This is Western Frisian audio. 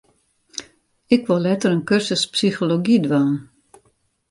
Ik wol letter in kursus psychology dwaan.